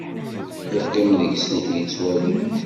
Yeqqim deg-sent yettwali.